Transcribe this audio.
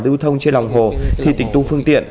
lưu thông trên lòng hồ thì tỉnh tung phương tiện